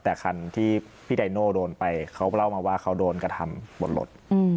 แต่คันที่พี่ไดโน่โดนไปเขาเล่ามาว่าเขาโดนกระทำบนรถ